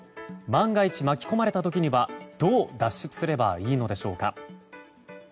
万が一、巻き込まれた時にはどう脱出すればいいのでしょうか。